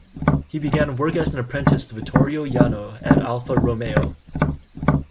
He began work as an apprentice to Vittorio Jano at Alfa Romeo.